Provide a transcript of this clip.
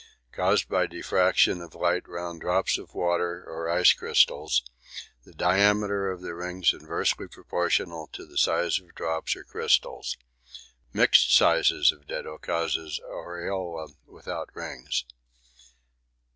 Caused by diffraction of light round drops of water or ice crystals; diameter of rings inversely proportionate to size of drops or crystals mixed sizes of ditto causes aureola without rings.